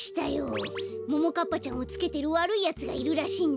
ももかっぱちゃんをつけてるわるいやつがいるらしいんだ。